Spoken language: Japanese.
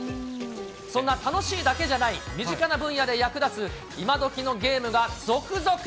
そんな楽しいだけじゃない、身近な分野で役立つ今どきのゲームが続々。